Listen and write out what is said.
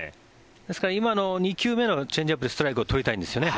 ですから今の２球目のチェンジアップでストライクを取りたいんです。